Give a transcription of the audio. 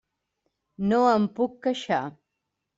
No em puc queixar.